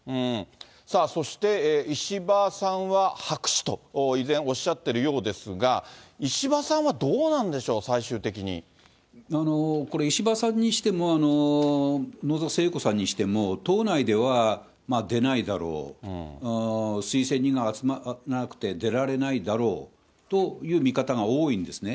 そして石破さんは、白紙と、以前おっしゃっているようですが、石破さんはどうなんでしょう、最これ、石破さんにしても、野田聖子さんにしても、党内では出ないだろう、推薦人が集まらなくて出られないだろうという見方が多いんですね。